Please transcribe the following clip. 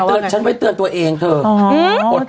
อ๋อขอเตือนเจ้าพวกชั้นตัวเองครับ